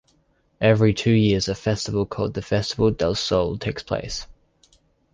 Every two years, a festival called the Festival Del Sol takes place.